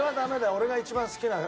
俺が一番好きな曲。